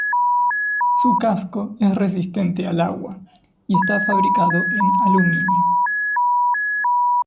Su casco es resistente al agua, y está fabricado en aluminio.